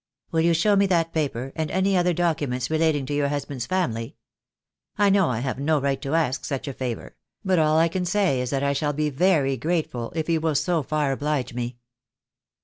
"Will you show me that paper, and any other docu ments relating to your husband's family? I know I have no right to ask such a favour; but all I can say is that I shall be very grateful if you will so far oblige me."